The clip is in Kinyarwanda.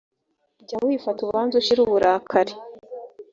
jya wifata ubanze ushire uburakari